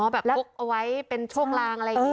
แบบพกเอาไว้เป็นช่วงลางอะไรอย่างนี้